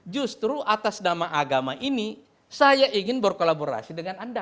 justru atas nama agama ini saya ingin berkolaborasi dengan anda